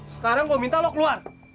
sekarang gue minta lo keluar